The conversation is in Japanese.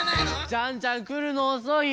ジャンジャンくるのおそいよ。